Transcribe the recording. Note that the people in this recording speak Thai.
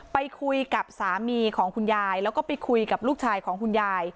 ไปคุยกับสามีของคุณยายแล้วก็ไปคุยกับลูกชายของคุณยาย